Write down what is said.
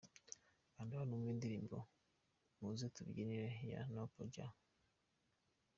Kanda hano wumve indirimbo Muze twibyinire ya Noop Ja.